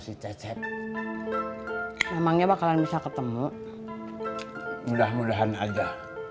si cecep namanya bakalan bisa ketemu mudah mudahan aja